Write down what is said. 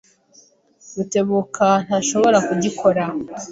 Rutebuka ntashobora kugikora.